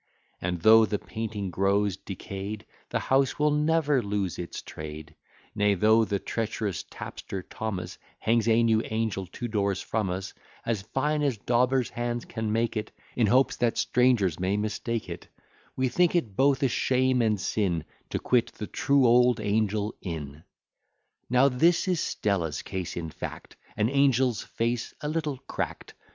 And though the painting grows decay'd, The house will never lose its trade: Nay, though the treach'rous tapster, Thomas, Hangs a new Angel two doors from us, As fine as daubers' hands can make it, In hopes that strangers may mistake it, We think it both a shame and sin To quit the true old Angel Inn. Now this is Stella's case in fact, An angel's face a little crack'd.